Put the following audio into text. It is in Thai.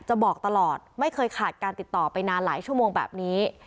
บอกตลอดไม่เคยขาดการติดต่อไปนานหลายชั่วโมงแบบนี้